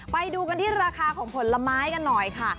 ไปดูกันที่ราคาของผลไม้กันหน่อยค่ะ